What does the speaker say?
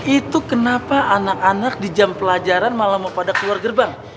itu kenapa anak anak di jam pelajaran malah pada keluar gerbang